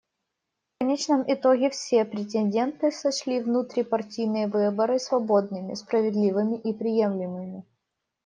В конечном итоге все претенденты сочли внутрипартийные выборы свободными, справедливыми и приемлемыми.